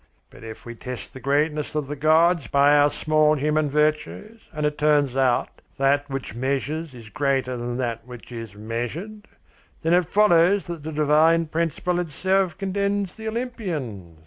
But if we test the greatness of the gods by our small human virtues, and it turns out that that which measures is greater than that which is measured, then it follows that the divine principle itself condemns the Olympians.